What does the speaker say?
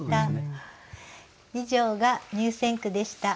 以上が入選句でした。